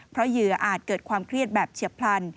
เพราะเหยื่ออาจเกิดความเครียดแบบเฉียบพลัน